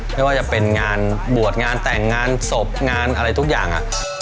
ไม่ว่าจะเป็นงานบวชงานแต่งงานศพงานอะไรทุกอย่าง